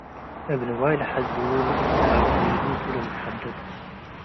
እብ ንዋይ ለሐዝዉ ሚ እብ ደሀብ ዲቡ ቱ ለልትሐደድ ።